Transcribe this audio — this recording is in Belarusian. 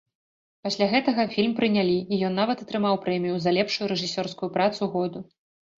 Пасля гэтага фільм прынялі, і ён нават атрымаў прэмію за лепшую рэжысёрскую працу году.